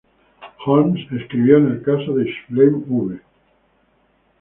Holmes escribió en el caso de "Schenck v.